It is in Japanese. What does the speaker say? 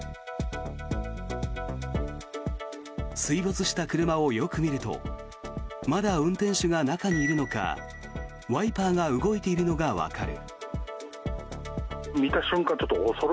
水没した車をよく見るとまだ運転手が中にいるのかワイパーが動いているのがわかる。